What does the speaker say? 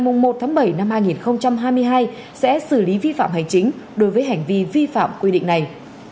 ngày một tháng bảy năm hai nghìn hai mươi hai sẽ xử lý vi phạm hành chính đối với hành vi vi phạm quy định này